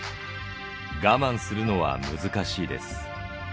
我慢するのは難しいです。